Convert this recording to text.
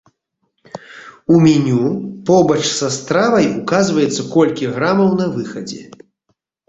У меню побач са стравай указваецца колькі грамаў на выхадзе.